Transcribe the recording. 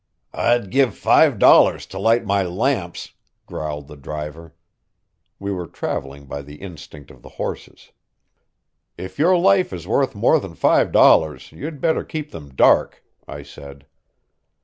"I'd give five dollars to light my lamps," growled the driver. We were traveling by the instinct of the horses. "If your life is worth more than five dollars, you'd better keep them dark," I said.